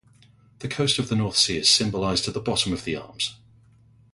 The coast of the North Sea is symbolised at the bottom of the arms.